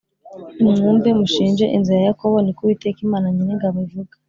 Nimwumve, mushinje inzu ya Yakobo.” Ni ko Uwiteka Imana Nyiringabo ivuga.